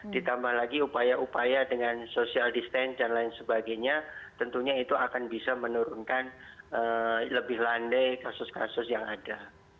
ditambah lagi upaya upaya dengan social distance dan lain sebagainya tentunya itu akan bisa menurunkan lebih landai kasus kasus yang ada